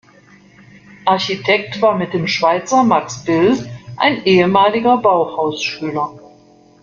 Architekt war mit dem Schweizer Max Bill ein ehemaliger Bauhaus-Schüler.